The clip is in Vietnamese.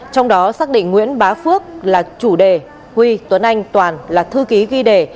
trong đó xác định nguyễn bá phước là chủ đề huy tuấn anh toàn là thư ký ghi đề